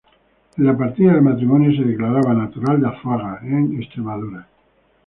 En la partida de matrimonio se declaraba natural de Azuaga en Extremadura.